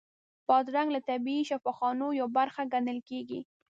بادرنګ له طبیعي شفاخانو یوه برخه ګڼل کېږي.